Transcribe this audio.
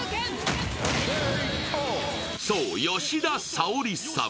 そう、吉田沙保里さん。